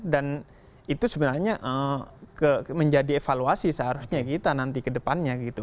dan itu sebenarnya menjadi evaluasi seharusnya kita nanti kedepannya gitu